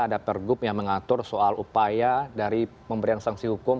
ada pergub yang mengatur soal upaya dari pemberian sanksi hukum